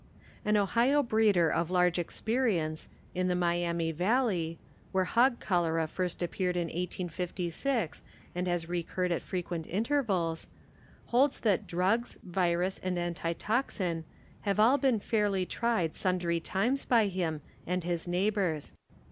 An Ohio breeder of large experience, in the Miami valley, where hog cholera first appeared in 1856 and has recurred at frequent intervals, holds that drugs, virus and antitoxin have all been fairly tried sundry times by him and his neigh bors.